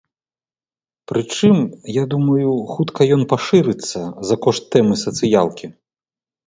Прычым, я думаю, хутка ён пашырыцца за кошт тэмы сацыялкі.